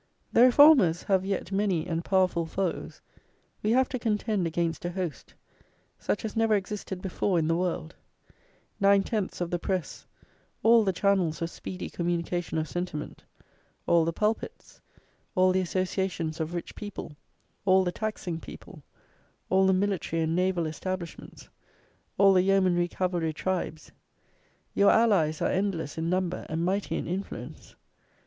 "The Reformers have yet many and powerful foes; we have to contend against a host, such as never existed before in the world. Nine tenths of the press; all the channels of speedy communication of sentiment; all the pulpits; all the associations of rich people; all the taxing people; all the military and naval establishments; all the yeomanry cavalry tribes. Your allies are endless in number and mighty in influence.